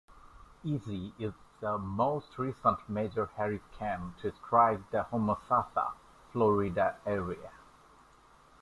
Easy is the most recent major hurricane to strike the Homosassa, Florida, area.